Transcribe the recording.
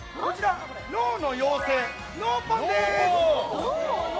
脳の妖精、のうポンです！